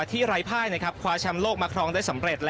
ที่ไร้ภายนะครับคว้าชามโลกมาครองได้สำเร็จ